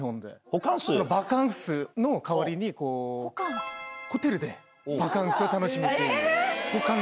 バカンスの代わりにホテルでバカンスを楽しむっていうホカンス。